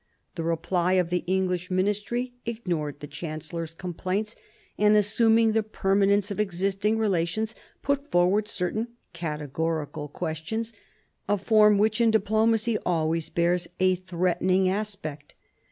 The reply of the English ministry ignored the Chancellor's complaints, and, assuming the permanence of existing relations, put forward certain categorical questions; a form which in diplomacy always bears a threatening aspect.